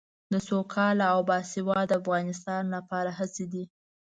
د سوکاله او باسواده افغانستان لپاره هڅې دي.